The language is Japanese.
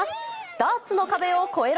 ダーツの壁を越えろ！